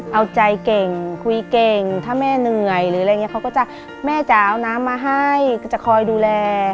เอาใจเก่งคุยเก่งถ้าแม่เหนื่อยแม่จะเอาน้ำมาให้จะคอยดูแล